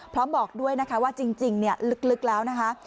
บอกด้วยนะคะว่าจริงลึกแล้วนะคะ